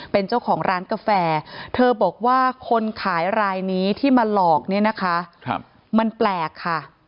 เป็นเจ้าของร้านกาแฟเธอบอกว่าคนขายรายนี้ที่มาหลอกเนี่ยนะคะมันแปลกค่ะ